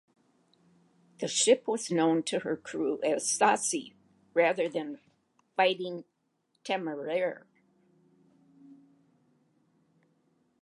The ship was known to her crew as "Saucy", rather than "Fighting" "Temeraire".